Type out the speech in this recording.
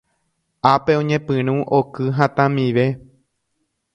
Ápe oñepyrũ oky hatãmive.